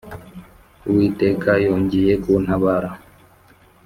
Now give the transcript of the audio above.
Uwiteka yongeye kuntabara